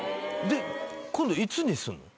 で今度いつにすんの？